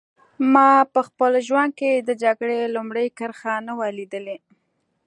ما په خپل ژوند کې د جګړې لومړۍ کرښه نه وه لیدلې